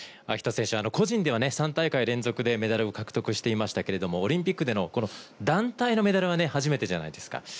暁斗選手、個人では３大会連続のメダルを獲得していましたけれども、オリンピックでのこの団体のメダルは初めてじゃないですか。